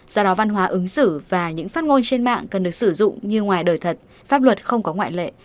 do đó văn hóa ứng xử và những phát ngôn trên mạng cần được sử dụng như ngoài đời thật pháp luật không có ngoại lệ